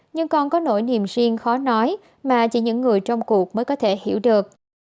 nhưng con có nỗi niềm riêng khó nói mà chỉ những người trong cuộc mới có thể hiểu được